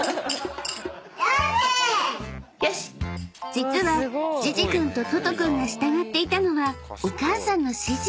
［実はｊｉｊｉ君とｔｏｔｏ君が従っていたのはお母さんの指示］